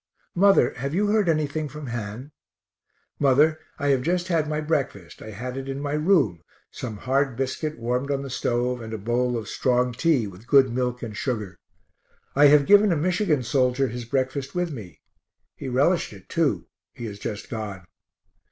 Mother, have you heard anything from Han? Mother, I have just had my breakfast. I had it in my room some hard biscuit warmed on the stove, and a bowl of strong tea with good milk and sugar. I have given a Michigan soldier his breakfast with me. He relished it, too; he has just gone.